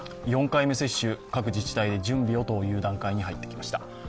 ４回目接種、各自治体で準備をという状況に入ってきました。